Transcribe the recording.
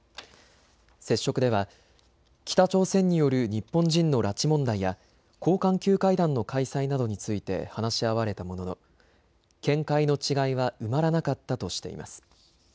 接触では北朝鮮による日本人の拉致問題や高官級会談の開催などについて話し合われたものの見解の違いは埋まらなかったとしています。